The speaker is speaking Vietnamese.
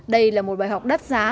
đây là một bài học đắt giá